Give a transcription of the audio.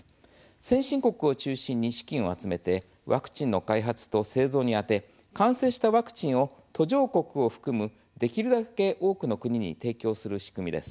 先進国を中心に資金を集めてワクチンの開発と製造に充て完成したワクチンを途上国を含むできるだけ多くの国に提供する仕組みです。